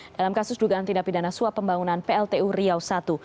dalam kasus dugaan tindak pidana suap pembangunan pltu riau i